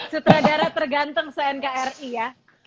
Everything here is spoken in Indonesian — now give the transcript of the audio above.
sutradara terganteng cnkri ya